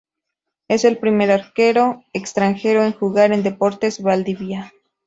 Es el primer arquero extranjero en jugar en Deportes Valdivia.